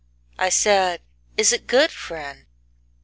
I said, "Is it good, friend?"